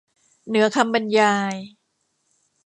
เหนือคำบรรยาย